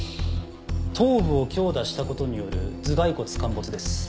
頭部を強打したことによる頭蓋骨陥没です